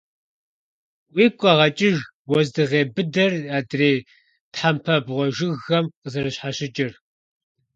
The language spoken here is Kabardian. Уигу къэгъэкӀыж уэздыгъей быдэр адрей тхьэмпабгъуэ жыгхэм къазэрыщхьэщыкӀыр.